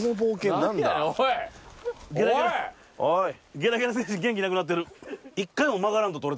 ゲラゲラ星人元気なくなってる。